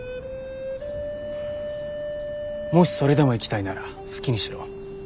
もしそれでも行きたいなら好きにしろ。